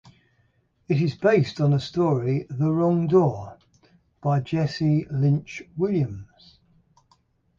It is based on an story "The Wrong Door" by Jesse Lynch Williams.